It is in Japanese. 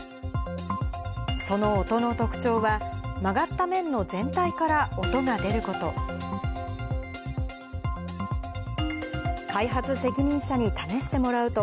その音の特徴は、曲がった面の全体から音が出ること。